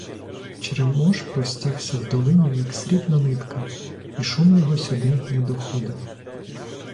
Черемош простягся в долині, як срібна нитка, і шум його сюди не доходив.